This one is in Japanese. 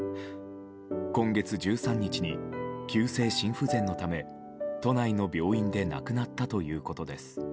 今月１３日に、急性心不全のため都内の病院で亡くなったということです。